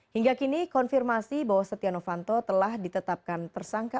hingga kini konfirmasi bahwa satyano fanto telah ditetapkan tersangka